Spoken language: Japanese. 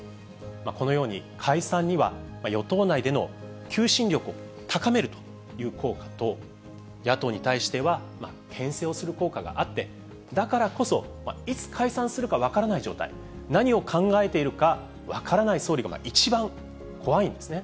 このように、解散には与党内での求心力を高めるという効果と、野党に対しては、けん制をする効果があって、だからこそ、いつ解散するか分からない状態、何を考えているか分からない総理が一番怖いんですね。